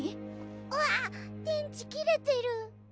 うわあっ電池切れてる。